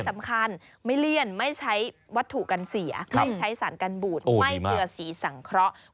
สำคัญไม่เลี่ยนไม่ใช้วัตถุกันเสียไม่ใช้สารกันบูดไม่เจือสีสังเคราะห์